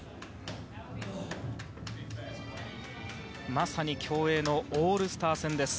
まさに競泳のオールスター戦です。